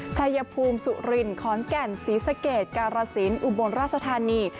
ชายภูมิสุรินขอนแก่นศรีสะเกดการสินอุบลราชธานี